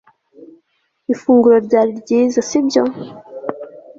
Ifunguro ryari ryiza sibyo